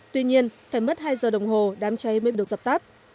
tuy nhiên phải mất hai giờ đồng hồ đám cháy mới được dập tắt